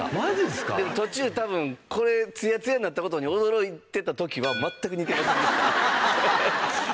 でも途中多分これツヤツヤになった事に驚いてた時は全く似てませんでした。